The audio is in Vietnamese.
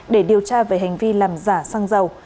để điều tra về hành vi làm giả xăng dầu